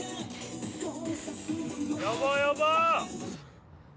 呼ぼう呼ぼう！